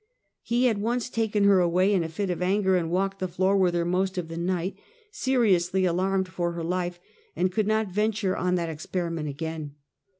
He had once taken her away in a fit of anger and walked the floor with her most of the night, seriously alarmed for her life, and could not venture on that ex periment again.